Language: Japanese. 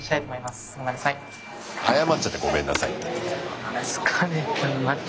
謝っちゃった「ごめんなさい」って。